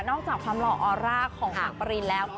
นอกจากความรออราของปรินแล้ว